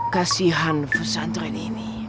kasihan pesantren ini